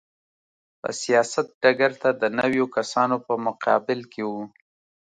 په سیاست ډګر ته د نویو کسانو په مقابل کې و.